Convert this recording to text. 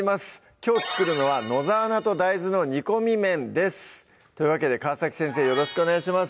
きょう作るのは「野沢菜と大豆の煮込み麺」ですというわけで川先生よろしくお願いします